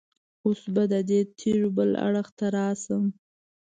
اوس به د دې تیږې بل اړخ ته راشم.